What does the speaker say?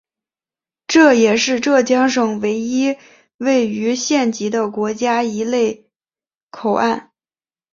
这也是浙江省唯一位于县级的国家一类口岸。